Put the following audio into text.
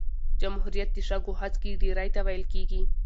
جمهوریت د شګو هسکی ډېرۍ ته ویل کیږي.